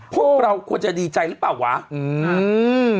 พวกเราควรจะดีใจหรือเปล่าวะอืม